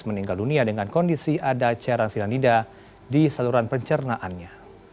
meninggal dunia dengan kondisi ada cerah silam nida di saluran pencernaannya